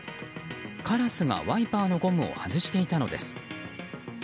カラスがワイパーのゴムを外していたのです。